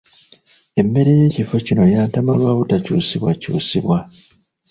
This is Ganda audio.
Emmere y'ekifo kino yantama lwa butakyusibwa kyusibwa.